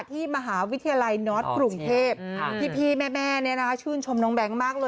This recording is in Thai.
ที่มหาวิทยาลัยนอร์ดกรุงเทพฯพี่แม่เนี่ยนะคะชื่นชมน้องแบ๊งค์มากเลย